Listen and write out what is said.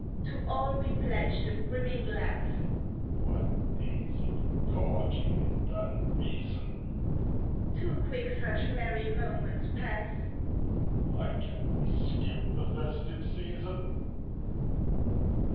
_) To all we pledge the brimming glass! (What days of gorging and unreason!) Too quick such merry moments pass (_Why can't we skip the "festive season"?